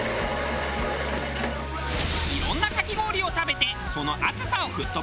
いろんなかき氷を食べてその暑さを吹っ飛ばしたい。